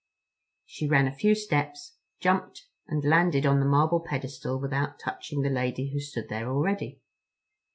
She ran a few steps, jumped, and landed on the marble pedestal without touching the lady who stood there already.